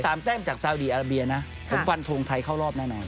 แต้มจากซาวดีอาราเบียนะผมฟันทงไทยเข้ารอบแน่นอน